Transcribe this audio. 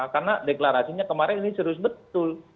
karena deklarasinya kemarin ini serius betul